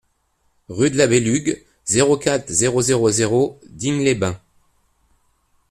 Rue de la Belugue, zéro quatre, zéro zéro zéro Digne-les-Bains